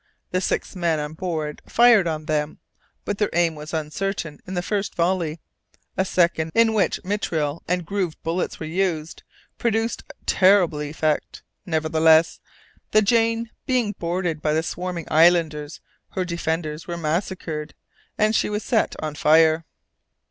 The six men on board fired on them, but their aim was uncertain in the first volley; a second, in which mitraille and grooved bullets were used, produced terrible effect. Nevertheless, the Jane being boarded by the swarming islanders, her defenders were massacred, and she was set on fire.